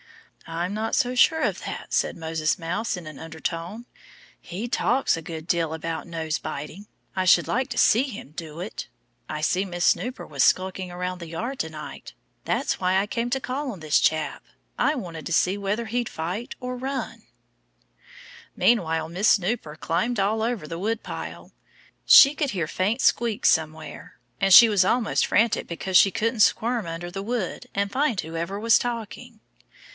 "I'm not so sure of that," said Moses Mouse in an undertone. "He talks a good deal about nose biting. I should like to see him do it. I knew Miss Snooper was skulking around the yard to night. That's why I came to call on this chap. I wanted to see whether he'd fight or run." Meanwhile Miss Snooper climbed all over the woodpile. She could hear faint squeaks somewhere. And she was almost frantic because she couldn't squirm under the wood and find whoever was talking.